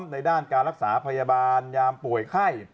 ในด้านการรักษาพยาบาลยามป่วยไข้